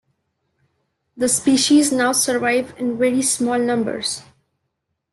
The species now survives in very small numbers.